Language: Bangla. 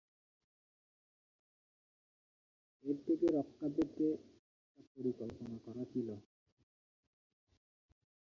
এর থেকে রক্ষা পেতে একটা পরিকল্পনা করা ছিল।